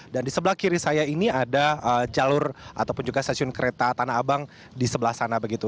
dan di sebelah kiri saya ini ada jalur atau pun juga stasiun kereta tanah abang di sebelah sana begitu